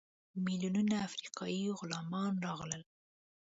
میلیونونه افریقایي غلامان راغلل.